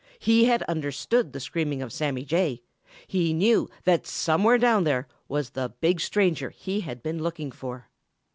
He had understood the screaming of Sammy Jay. He knew that somewhere down there was the big stranger he had been looking for.